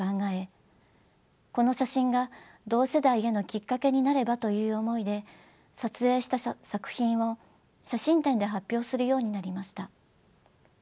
この写真が同世代へのきっかけになればという思いで撮影した作品を写真展で発表するようになりました。